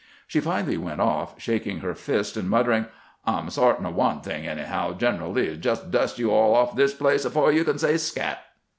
She finally went off, shaking her fist and muttering: "I 'm sart'in of one thing, anyhow: Greneral Lee '11 just dust you all out of this place afo' you kin say scat."